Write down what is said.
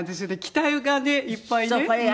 期待がねいっぱいね。